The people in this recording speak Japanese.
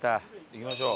行きましょう！